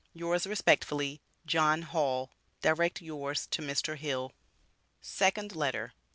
Yours Respectfuliy, JOHN HALL. Direct yours to Mr. Hill. SECOND LETTER.